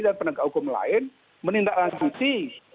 dan penegak hukum lain menindaklanjuti